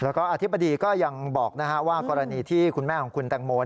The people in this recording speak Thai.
แล้วก็อธิบดีก็ยังบอกว่ากรณีที่คุณแม่ของคุณแตงโม